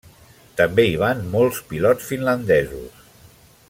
També hi van molts pilots finlandesos.